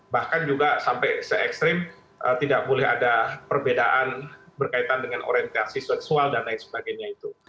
bahkan juga sampai se ekstrim tidak boleh ada perbedaan berkaitan dengan orientasi seksual dan lain sebagainya itu